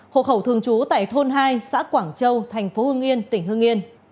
hộ khẩu thường trú tại thôn hai xã quảng châu tp hương yên tỉnh hương yên